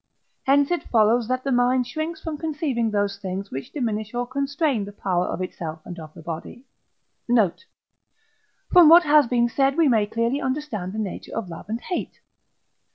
Hence it follows that the mind shrinks from conceiving those things, which diminish or constrain the power of itself and of the body. Note. From what has been said we may clearly understand the nature of Love and Hate.